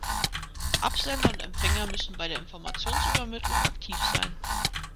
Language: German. Absender und Empfänger müssen bei der Informationsübermittlung aktiv sein.